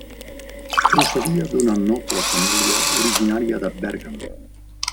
Procedia d'una noble família originària de Bèrgam.